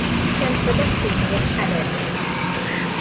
San Sebastian was added.